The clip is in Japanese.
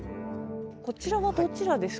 こちらはどちらですか？